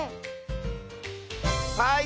はい！